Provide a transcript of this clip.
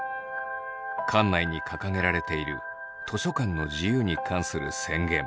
館内に掲げられている「図書館の自由に関する宣言」。